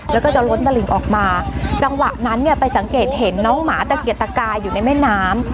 แล้วก็จะล้นตลิ่งออกมาจังหวะนั้นเนี่ยไปสังเกตเห็นน้องหมาตะเกียดตะกายอยู่ในแม่น้ำ